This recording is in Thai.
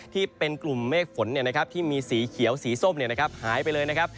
ที่เป็นกลุ่มเมฆฝนที่มีสีเขียวสีส้มหายไปเลยนะครับ